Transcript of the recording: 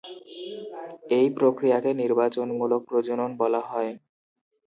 এই প্রক্রিয়াকে নির্বাচনমূলক প্রজনন বলা হয়।